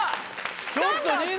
ちょっと。